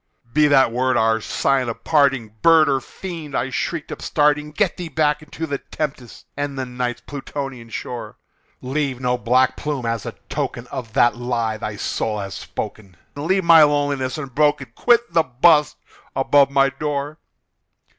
"Be that word our sign of parting, bird or fiend!" I shrieked, upstarting "Get thee back into the tempest and the Night's Plutonian shore! Leave no black plume as a token of that lie thy soul hath spoken! Leave my loneliness unbroken! quit the bust above my door!